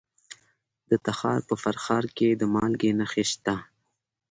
د تخار په فرخار کې د مالګې نښې شته.